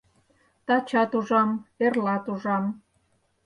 Тачат ужам, эрлат ужам.